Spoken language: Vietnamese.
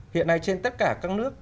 hiện nay trên tất cả các nước